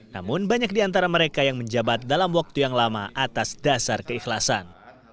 namun banyak di antara mereka yang menjabat dalam waktu yang lama atas dasar keikhlasan